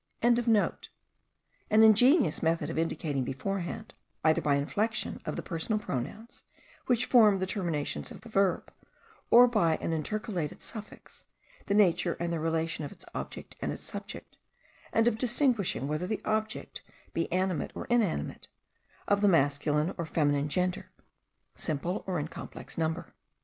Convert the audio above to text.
an ingenious method of indicating beforehand, either by inflexion of the personal pronouns, which form the terminations of the verb, or by an intercalated suffix, the nature and the relation of its object and its subject, and of distinguishing whether the object be animate or inanimate, of the masculine or the feminine gender, simple or in complex number.